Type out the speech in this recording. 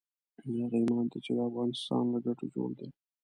هغه ايمان ته چې د افغانستان له ګټو جوړ دی.